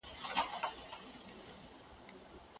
ځه چي ځو تر اسمانونو ځه چي پی کو دا مزلونه